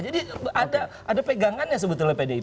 jadi ada pegangannya sebetulnya pdip